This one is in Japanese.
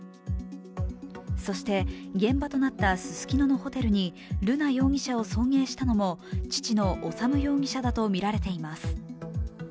そして現場となったススキノのホテルに、瑠奈容疑者を送迎したのも父の修容疑者だとみられています。